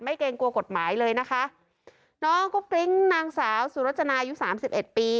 เกรงกลัวกฎหมายเลยนะคะน้องก็ปริ้งนางสาวสุรจนายุสามสิบเอ็ดปี